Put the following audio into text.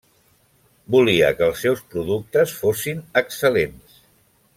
Volia que els seus productes fossin excel·lents.